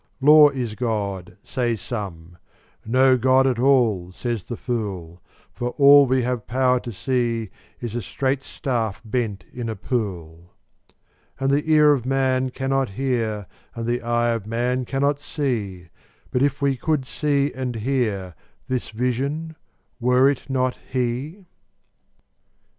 Law is God, say some: no God at all, says the fool; For all we have power to see is a straight staff bent in a pool; And the ear of man cannot hear, and the eye of man cannot see; But if we could see and hear, this Vision—were it not He?